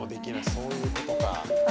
そういうことか。